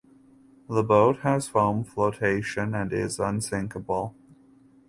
The boat has foam flotation and is unsinkable.